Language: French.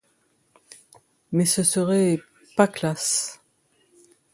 Mais ce serait… pas classe.